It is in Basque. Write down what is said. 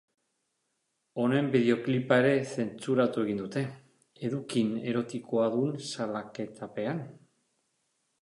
Honen bideoklipa ere zentsuratu egin dute, edukin erotikoa duen salaketapean.